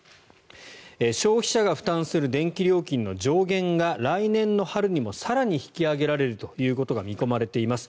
消費者が負担する電気料金の上限が来年の春にも更に引き上げられることが見込まれています。